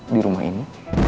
di rumah ini